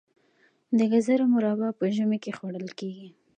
د ګازرو مربا په ژمي کې خوړل کیږي.